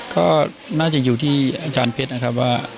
ก็น่าจะอยู่ที่อาจารย์เพชรนะครับว่า